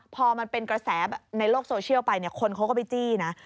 พอมันเป็นกระแสในโลกโซเชียลไปเนี่ยคนเขาก็ไปจี้นะ